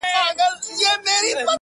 د ژوند خوارۍ كي يك تنها پرېږدې ـ